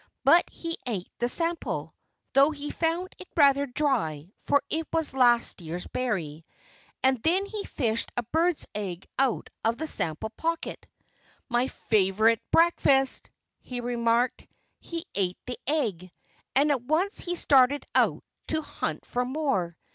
But he ate the sample though he found it rather dry, for it was a last year's berry. And then he fished a bird's egg out of the same pocket. "My favorite breakfast!" he remarked. He ate the egg. And at once he started out to hunt for more.